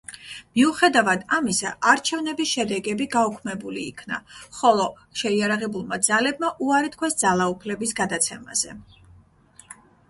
მიუხედავად ამისა, არჩევნების შედეგები გაუქმებული იქნა, ხოლო შეიარაღებულმა ძალებმა უარი თქვეს ძალაუფლების გადაცემაზე.